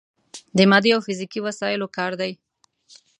د مادي او فزیکي وسايلو کار دی.